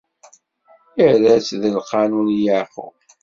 Irra-t d lqanun i Yeɛqub.